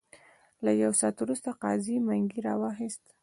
له یو ساعت وروسته قاضي منګی را واخیست.